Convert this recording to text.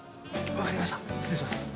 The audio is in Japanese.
分かりました失礼します。